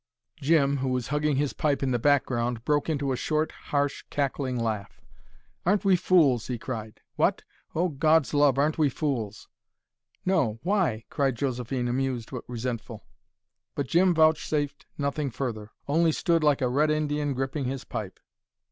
Jim, who was hugging his pipe in the background, broke into a short, harsh, cackling laugh. "Aren't we fools!" he cried. "What? Oh, God's love, aren't we fools!" "No why?" cried Josephine, amused but resentful. But Jim vouchsafed nothing further, only stood like a Red Indian gripping his pipe.